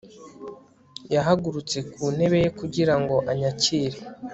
Yahagurutse ku ntebe ye kugira ngo anyakire